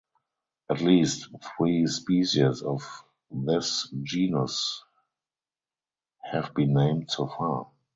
At least three species of this genus have been named so far.